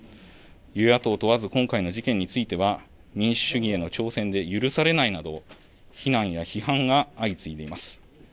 与野党問わず今回の事件については、民主主義への挑戦で許されないなど、非難や批判が相次いでいます。